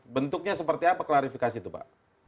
bentuknya seperti apa klarifikasi itu pak